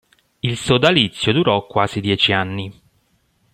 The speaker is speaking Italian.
Il sodalizio durò quasi dieci anni.